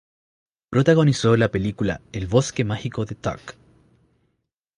Protagonizó la película "El bosque mágico de Tuck".